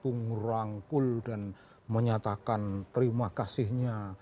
tahu preman itu merangkul dan menyatakan terima kasihnya